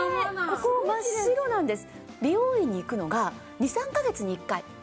ここ真っ白なんです。